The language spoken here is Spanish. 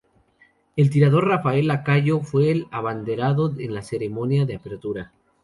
El tirador Rafael Lacayo fue el abanderado en la ceremonia de apertura.